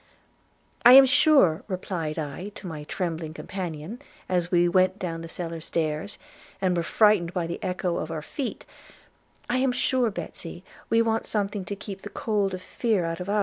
'I am sure,' replied I to my trembling companion, as we went down the cellar stairs, and were frightened by the echo of our feet, 'I am sure, Betsy, we want something to keep the cold of fear out of ours.